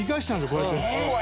こうやって。